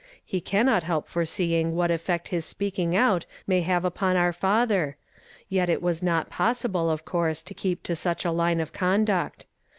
He cannot help foreseeing what effect his speaking out may have upon our father. Yet it was not possible, of course, to keep to such a line of conduct.